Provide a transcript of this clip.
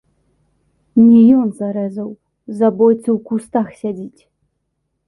Не ён зарэзаў, забойца ў кустах сядзіць!